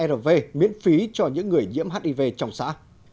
rv miễn phí cho những người nhiễm hiv trong xã